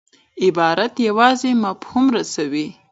عبارت یوازي مفهوم رسوي.